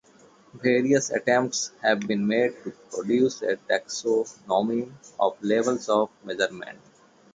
Various attempts have been made to produce a taxonomy of levels of measurement.